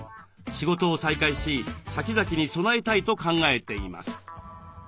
仕事を再開し先々に備えたいと考えています。